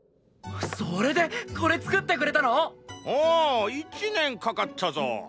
それでこれ作ってくれたの⁉おう１年かかったぞ！